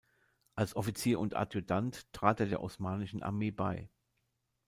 Als Offizier und Adjutant trat er der Osmanischen Armee bei.